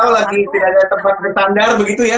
atau lagi tidak ada tempat bersandar begitu ya